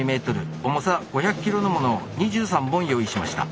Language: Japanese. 重さ５００ｋｇのものを２３本用意しました。